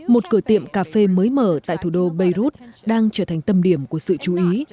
một cửa tiệm cà phê mới mở tại thủ đô beirut đang trở thành tâm điểm của sự chú ý